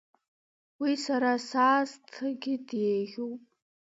Уи сара саасҭагьы деиӷьуп.